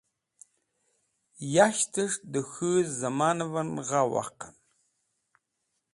Yashtẽs̃h dẽ k̃hũ zẽmanvẽn gha waqẽn.